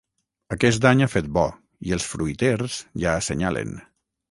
Aquest any ha fet bo i els fruiters ja assenyalen.